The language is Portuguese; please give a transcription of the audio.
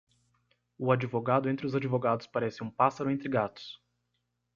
O advogado entre os advogados parece um pássaro entre gatos.